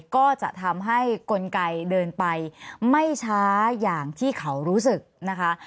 ก็จะทำให้กลไกเดินไปไม่ช้าอย่างที่เขารู้สึกนะคะ